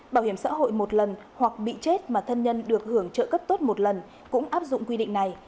bảo hiểm xã hội một lần hoặc bị chết mà thân nhân được hưởng trợ cấp tốt một lần cũng áp dụng quy định này